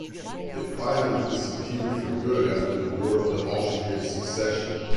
It finally disappeared for good after the war of the Austrian succession.